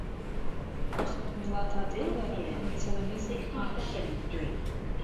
Ахатә милаҭ адгылара анационализм ахь…